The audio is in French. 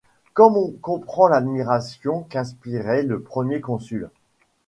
Comme on comprend l'admiration qu'inspirait le Premier Consul !